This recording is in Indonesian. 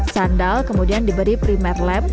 sandal kemudian diberi primer lab